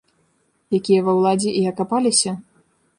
Якія ва ўладзе і акапаліся?